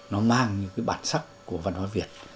nó mang những cái bản sắc của văn hóa việt